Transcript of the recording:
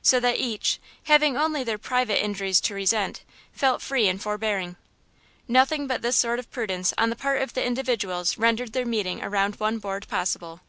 So that each, having only their own private injuries to resent, felt free in forbearing. Nothing but this sort of prudence on the part of individuals rendered their meeting around one board possible.